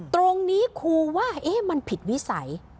ตรงนี้ครูว่ามันผิดวิสัย